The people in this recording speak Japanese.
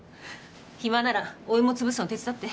暇ならお芋つぶすの手伝って。